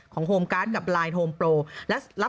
ของโฮมการ์ดกับไลน์โฮมโปร